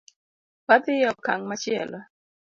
Wadhi e okang’ machielo